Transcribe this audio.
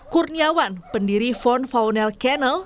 kurniawan pendiri von faunel kennel